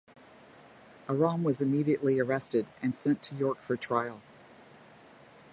Aram was immediately arrested, and sent to York for trial.